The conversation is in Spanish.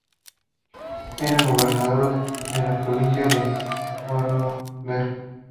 Era gobernador de la provincia de Vorarlberg.